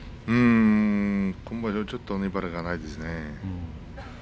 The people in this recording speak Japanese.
今場所はちょっと粘りがないですね。